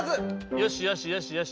よしよしよしよし。